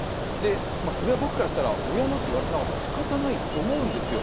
それは僕からしたら親のって言われてなかったら仕方がないと思うんですよ。